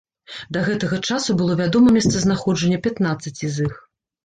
Да гэтага часу было вядома месцазнаходжанне пятнаццаці з іх.